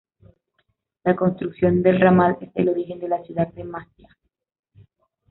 La construcción del ramal es el origen de la ciudad de Maciá.